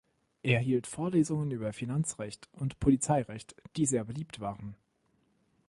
Er hielt Vorlesungen über Finanzrecht und Polizeirecht die sehr beliebt waren.